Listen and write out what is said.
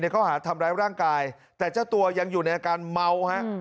เขาหาทำร้ายร่างกายแต่เจ้าตัวยังอยู่ในอาการเมาฮะ